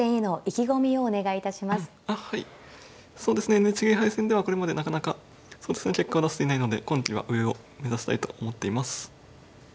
そうですねＮＨＫ杯戦ではこれまでなかなか結果を出せていないので今期は上を目指したいと思っています。